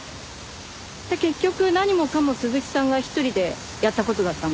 じゃあ結局何もかも鈴木さんが一人でやった事だったんですよね？